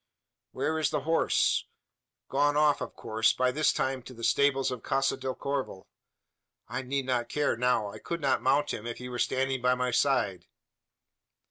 "Where is the horse? Gone off, of course. By this time, in the stables of Casa del Corvo. I need not care now. I could not mount him, if he were standing by my side.